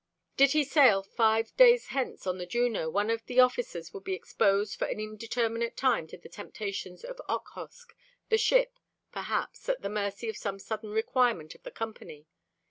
Did he sail five days hence on the Juno one of the officers would be exposed for an indeterminate time to the temptations of Okhotsk, the ship, perhaps, at the mercy of some sudden requirement of the Company.